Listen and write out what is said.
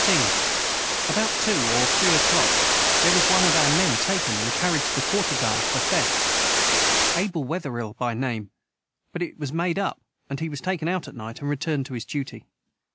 ] the 13. About 2 or 3 o clock their was one of our men taken and caried to the quarter guard for thieft abel Weatheril by name but it was made up and he was taken out at night and returned to his Duty.